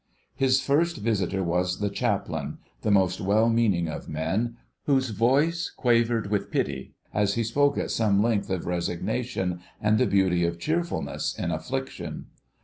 His first visitor was the Chaplain, the most well meaning of men, whose voice quavered with pity as he spoke at some length of resignation and the beauty of cheerfulness in affliction.